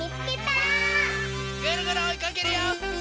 ぐるぐるおいかけるよ！